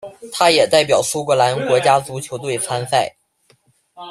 他也代表苏格兰国家足球队参赛。